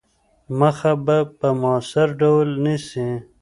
مخه به په موثِر ډول نیسي.